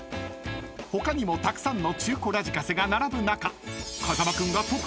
［他にもたくさんの中古ラジカセが並ぶ中］